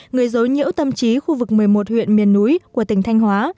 người dối nhiễu tâm trí khu vực một mươi một huyện miền núi của tỉnh thanh hóa